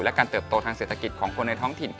และการเติบโตทางเศรษฐกิจของคนในท้องถิ่น